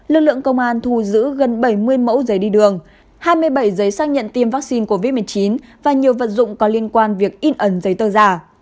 lực lượng công an thu giữ gần bảy mươi mẫu giấy đi đường hai mươi bảy giấy xác nhận tiêm vaccine covid một mươi chín và nhiều vật dụng có liên quan việc in ấn giấy tờ giả